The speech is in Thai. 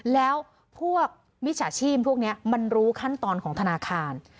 แล้วพวกมิจฉาชีพพวกนี้มันรู้ขั้นตอนของธนาคาร